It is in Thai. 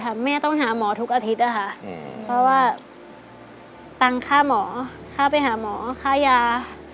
แม่ต้องหาหมอทุกอาทิตย์นะคะเพราะว่าตังค่าหมอค่าไปหาหมอค่ายา